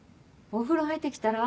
お風呂入って来たら？